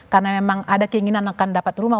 karena memang ada keinginan akan dapat rumah